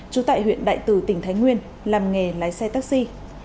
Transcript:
trú tại huyện đại từ tỉnh thái nguyên làm nghề lái xe taxi